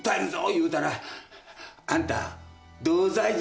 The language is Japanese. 言うたら「あんた同罪じゃ」